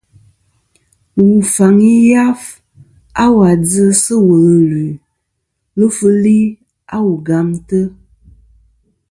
Wu faŋi yaf a wà dzɨ sɨ wul ɨlue lufɨli a wu gamtɨ.